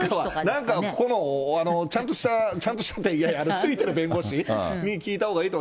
なんか、ちゃんとした、ちゃんとしたっていや、ついてる弁護士に聞いたほうがいいかも。